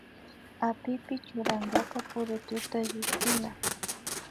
Apipi churankapa purututa llushtina